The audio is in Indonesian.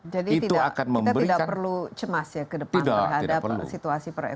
jadi kita tidak perlu cemas ya ke depan terhadap situasi perekonomian indonesia